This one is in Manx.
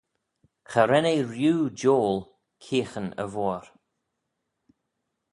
Cha ren eh rieau jiole keeaghyn e voir.